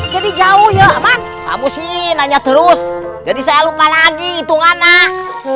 satu ratus sembilan satu ratus tujuh jadi jauh ya pak kamu sih nanya terus jadi saya lupa lagi itungan ah